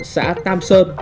xã tam sơn